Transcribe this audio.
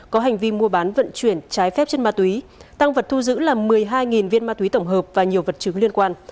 có hành vi mua bán vận chuyển trái phép chất ma túy tăng vật thu giữ là một mươi hai viên ma túy tổng hợp và nhiều vật chứng liên quan